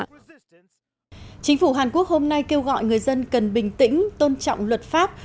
chính phủ hàn quốc hôm nay kêu gọi người dân cần bình tĩnh tôn trọng luật pháp